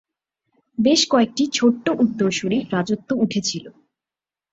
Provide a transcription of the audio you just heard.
বেশ কয়েকটি ছোট্ট উত্তরসূরি রাজত্ব উঠেছিল।